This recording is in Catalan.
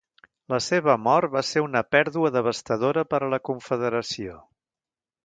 La seva mort va ser una pèrdua devastadora per a la Confederació.